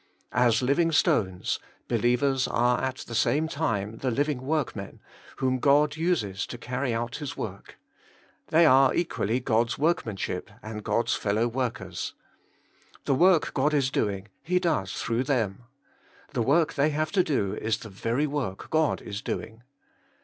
As living stones, believers are at the same time the living workmen, whom God uses to carry out His work. They are equally God's workman ship and God's fellow workers. The work God is doing He does through them. The work they have to do is the very work God is doing.